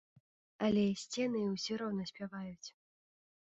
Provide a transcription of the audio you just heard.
Але сцені ўсё роўна спяваюць.